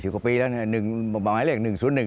๔๐กว่าปีแล้วหมายเลข๑๐๑